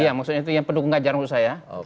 iya maksudnya itu yang pendukung ganjar menurut saya